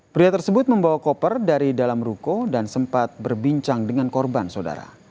pria tersebut membawa koper dari dalam ruko dan sempat berbincang dengan korban saudara